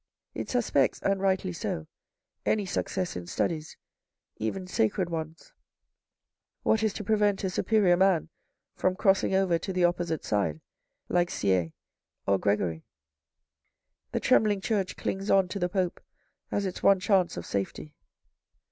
It suspects, and rightly so, any success in studies, even sacred ones. What is to prevent a superior man from crossing over to the opposite side like Sieyes or Gregory. The trembling Church clings on to the Pope as its one chance of safety.